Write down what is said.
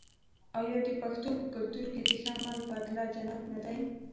آیا د پښتنو په کلتور کې د ښه عمل بدله جنت نه دی؟